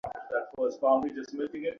শশী দারুণ বিপন্ন বোধ করিতেছিল।